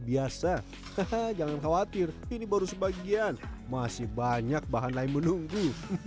biasa hahaha jangan khawatir ini baru sebagian masih banyak bahan lain menunggu